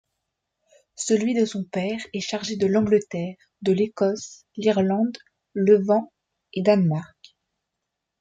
Celui de son père est chargé de l'Angleterre, de l'Écosse, l'Irlande, Levant et Danemark.